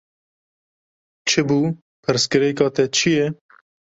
Çi bû, pirsgirêka te çi ye?